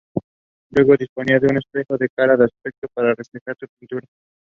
Precipitation runoff from the mountain drains into tributaries of the Elbow River.